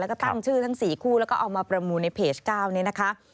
แล้วก็ตั้งชื่อทั้ง๔คู่แล้วก็เอามาประมูลในเพจ๙นี้นะคะ